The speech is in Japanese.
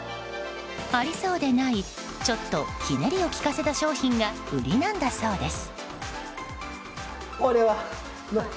ありそうでないちょっとひねりを利かせた商品が売りなんだそうです。